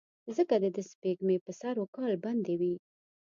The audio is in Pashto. ځکه دده سپېږمې به سر وکال بندې وې.